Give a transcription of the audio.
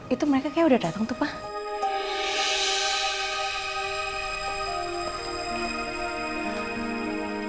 itu mereka kayak udah datang tuh pak